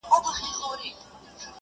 د موږک پر کور مېلمه د غم مرګی سو,